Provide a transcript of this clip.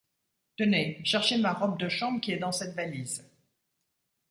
Tenez, cherchez ma robe de chambre qui est dans cette valise.